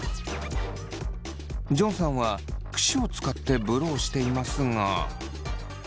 ジョンさんはクシを使ってブローしていますが。